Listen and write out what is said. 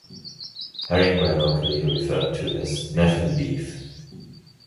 Herring were locally referred to as "Nefyn beef".